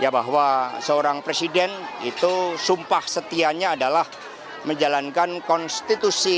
bahwa seorang presiden itu sumpah setianya adalah menjalankan konstitusi